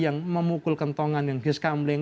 yang memukul kentongan yang hiskambling